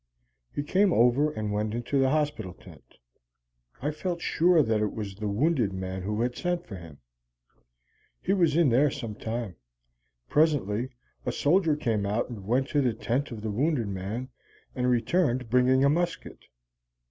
He came over and went into the hospital tent. I felt sure that it was the wounded man who had sent for him. He was in there some time. Presently a soldier came out and went to the tent of the wounded man, and returned bringing a musket.